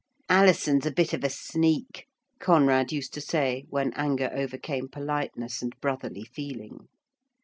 'Alison's a bit of a sneak,' Conrad used to say when anger overcome politeness and brotherly feeling.